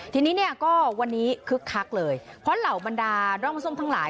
ทีนี้เนี่ยก็วันนี้คึกคักเลยเพราะเหล่าบรรดาร่องส้มทั้งหลาย